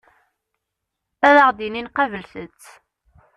Ad aɣ-d-inin qablet-tt.